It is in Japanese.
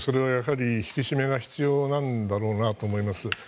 引き締めが必要なんだろうなと思います。